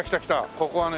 ここはね